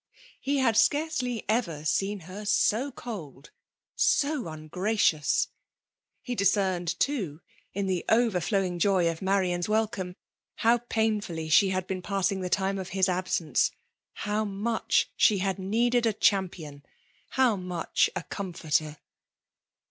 He had scarcely ever seen her so cold — so ungracious. He discerned* too, in the overflowing joy of Marianas wel come, how painfully she had been pas&ng the time of his .absence — how much she had needed a champions how much a com* forter.